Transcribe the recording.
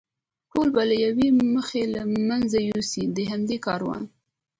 ټول به له یوې مخې له منځه یوسي، د همدې کاروان.